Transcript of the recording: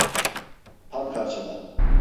Tam karşıda.